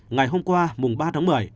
ngày hôm qua mùng ba một mươi